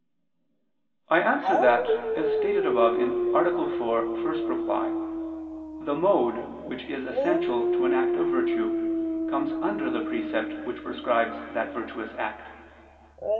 I answer that, As stated above (A. 4, ad 1), the mode which is essential to an act of virtue comes under the precept which prescribes that virtuous act.